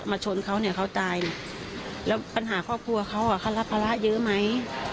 ชนเขาเนี่ยเขาตายเนี่ยแล้วปัญหาครอบครัวเขาเขารับภาระเยอะไหม